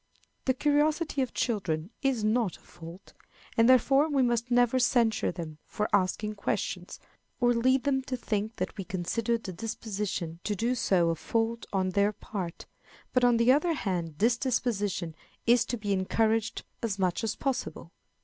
The curiosity of children is not a fault, and therefore we must never censure them for asking questions, or lead them to think that we consider the disposition to do so a fault on their part; but, on the other hand, this disposition is to be encouraged as much as possible.